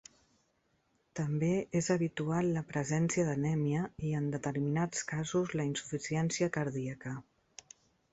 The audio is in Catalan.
També és habitual la presència d'anèmia i en determinats casos la insuficiència cardíaca.